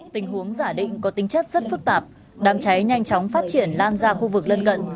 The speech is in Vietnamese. tình huống giả định có tính chất rất phức tạp đám cháy nhanh chóng phát triển lan ra khu vực lân cận